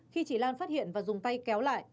khi chị lan phát hiện và dùng tay kéo lại